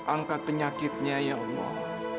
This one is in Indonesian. angkat penyakitnya ya allah